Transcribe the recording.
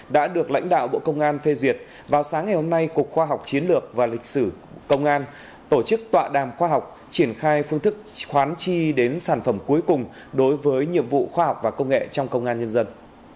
đã được lãnh đạo bộ công an phê duyệt vào sáng ngày hôm nay cục khoa học chiến lược và lịch sử công an tổ chức tọa đàm khoa học triển khai phương thức khoán chi đến sản phẩm cuối cùng đối với nhiệm vụ khoa học và công nghệ trong công an nhân dân